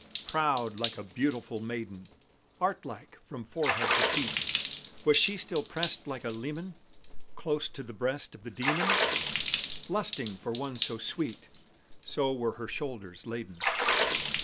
Proud like a beautiful maiden, Art like from forehead to feet, Was she till pressed like a leman Close to the breast of the demon, Lusting for one so sweet, So were her shoulders laden.